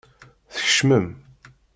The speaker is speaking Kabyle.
Tkecmem.